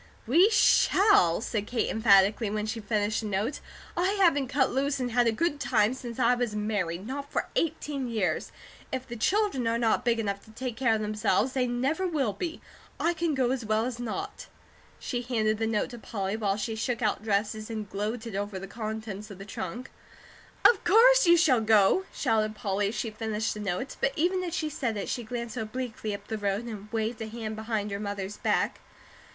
"We shall!" said Kate emphatically, when she finished the note. "I haven't cut loose and had a good time since I was married; not for eighteen years. If the children are not big enough to take care of themselves, they never will be. I can go as well as not." She handed the note to Polly, while she shook out dresses and gloated over the contents of the trunk. "Of course you shall go!" shouted Polly as she finished the note, but even as she said it she glanced obliquely up the road and waved a hand behind her mother's back.